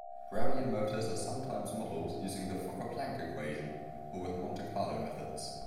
Brownian motors are sometimes modeled using the Fokker-Planck equation or with Monte Carlo methods.